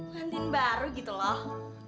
ngantin baru gitu loh